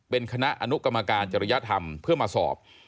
เป็นคณะอนุกรรมการจริยธรรมเพื่อมาสอบ